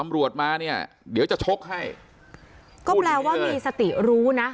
ตำรวจมาเนี่ยเดี๋ยวจะชกให้ก็แปลว่ามีสติรู้นะ